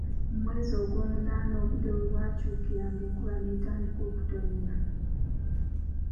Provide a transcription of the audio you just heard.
Mu mwezi ogw'omunaana obudde we bwakyukiranga enkuba ne tandika okutonnya.